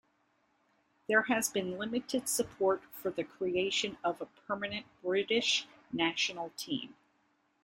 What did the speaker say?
There has been limited support for the creation of a permanent British national team.